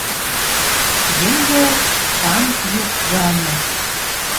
Йӹнгӹл — цанг юк ганьы!